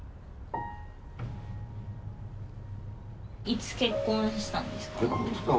いつ結婚したんですか？